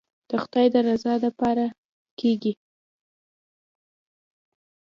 د خداى د رضا دپاره کېګي.